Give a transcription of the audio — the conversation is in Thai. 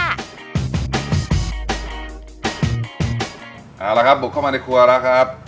เอาละครับบุกเข้ามาในครัวแล้วครับ